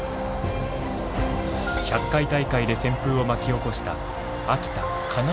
１００回大会で旋風を巻き起こした秋田金足農業も。